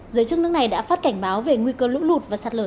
giới chức nước này đã phát cảnh báo về nguy cơ lũ lụt và sạt lở